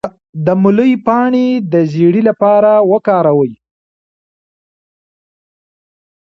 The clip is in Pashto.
د مولی پاڼې د زیړي لپاره وکاروئ